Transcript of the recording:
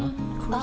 あ！